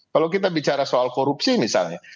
kalau kita bicara soal korupsi misalnya